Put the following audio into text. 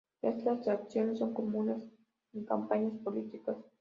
Estas acciones son comunes en campañas políticas.